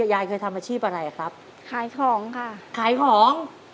ยายเคยทำอาชีพอะไรครับขายของค่ะขายของ